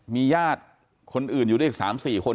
มีญาติคนอื่นอยู่ด้วยอีก๓๔คน